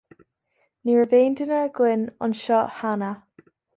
Ní raibh aon duine againn anseo cheana.